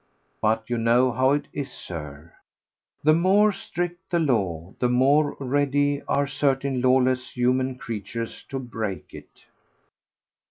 But you know how it is, Sir: the more strict the law the more ready are certain lawless human creatures to break it.